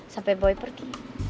sampai boy pergi